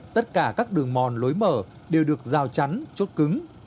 tất cả các đường mòn lối mở đều được rào chắn chốt cứng